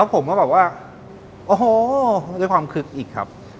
ผมก็แบบว่าโอ้โหด้วยความคึกอีกครับ